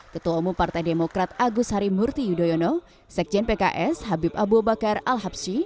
ketua umum partai demokrat agus harimurti yudhoyono sekjen pks habib abu bakar al habsyi